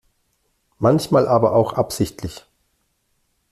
Manchmal aber auch absichtlich.